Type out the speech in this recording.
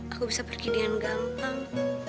aku bisa pergi dengan gampang